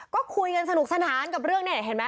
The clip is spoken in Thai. ก็คุยกันสนุกสนานกับเรื่องนี้เห็นไหม